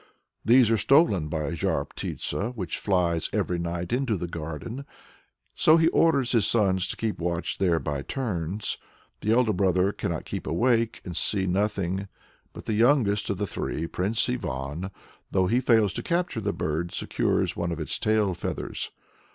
These are stolen by a Zhar Ptitsa which flies every night into the garden, so he orders his sons to keep watch there by turns. The elder brothers cannot keep awake, and see nothing; but the youngest of the three, Prince Ivan, though he fails to capture the bird, secures one of its tail feathers.